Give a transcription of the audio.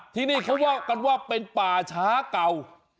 ที่นี่เขาว่าเป็นป่าช้าเก่า